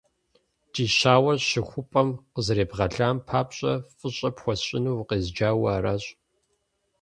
Ди щауэр щыхупӀэм къызэребгъэлам папщӀэ фӀыщӀэ пхуэсщӀыну укъезджауэ аращ.